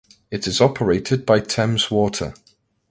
It is operated by Thames Water.